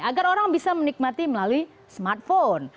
agar orang bisa menikmati melalui smartphone